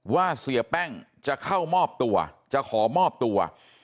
เสียแป้งจะเข้ามอบตัวจะขอมอบตัว